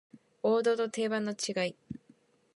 王道と定番の違い